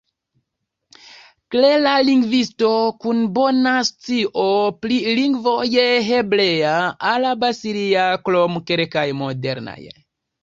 Klera lingvisto, kun bona scio pri lingvoj hebrea, araba, siria krom kelkaj modernaj.